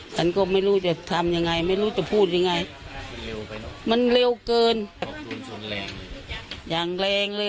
ในกรณีที่ไกลแต่สนใจมาอยู่จะเตรียมวันที่นี่ที่เดียวเกิดมาตะที